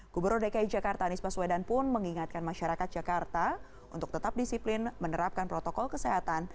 gubernur dki jakarta anies baswedan pun mengingatkan masyarakat jakarta untuk tetap disiplin menerapkan protokol kesehatan